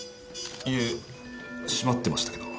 いえ締まってましたけど。